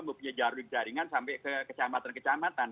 mempunyai jaringan sampai ke kecamatan kecamatan